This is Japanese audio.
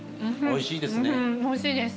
おいしいです。